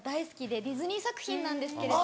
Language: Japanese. ディズニー作品なんですけれども。